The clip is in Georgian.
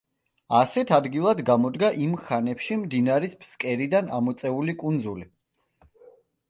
ასეთ ადგილად გამოდგა იმ ხანებში მდინარის ფსკერიდან ამოწეული კუნძული.